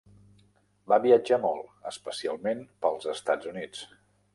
Va viatjar molt, especialment pels Estats Units.